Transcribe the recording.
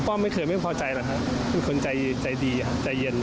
มุมป้อมไม่เคยไม่ฟอใจหรอกมันคือคนใจดีใจเย็น